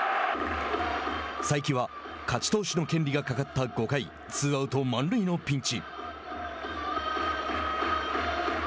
才木は勝ち投手の権利がかかった５回ツーアウト、満塁のピンチ。